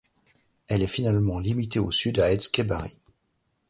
Elle est finalement limitée au sud à Etxebarri.